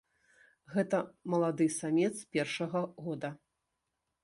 Гэта малады самец першага года.